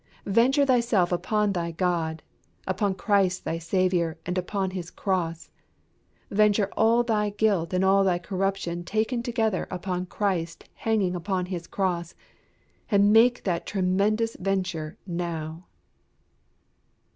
Venture thyself upon thy God, upon Christ thy Saviour, and upon His cross. Venture all thy guilt and all thy corruption taken together upon Christ hanging upon His cross, and make that tremendous venture now!